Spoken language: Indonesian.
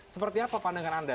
seperti apa pandangan anda